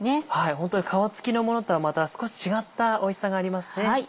ホントに皮付きのものとはまた少し違ったおいしさがありますね。